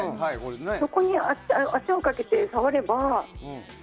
そこに足をかけて触れば。